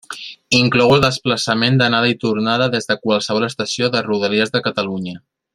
Inclou el desplaçament d'anada i tornada des de qualsevol estació de Rodalies de Catalunya.